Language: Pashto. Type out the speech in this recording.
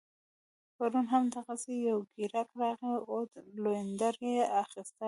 پرون هم دغسي یو ګیراک راغی عود لوینډر يې اخيستل